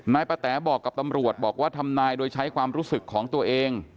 ปะแต๋บอกกับตำรวจบอกว่าทำนายโดยใช้ความรู้สึกของตัวเอง